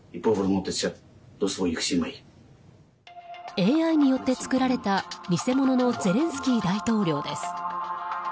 ＡＩによって作られた偽物のゼレンスキー大統領です。